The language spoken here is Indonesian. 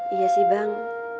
iya sih bang